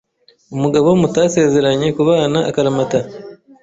Umugabo mutasezeranye kubana akaramata